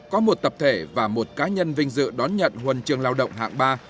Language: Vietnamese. có một tập thể và một cá nhân vinh dự đón nhận huần trường lao động hạng ba